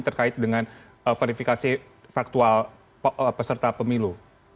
terkait dengan verifikasi faktual peserta pemilu